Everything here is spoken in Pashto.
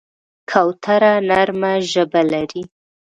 کوتره نرمه ژبه لري.